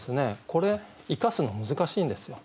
これ生かすの難しいんですよ。